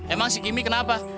emang si kimi kenapa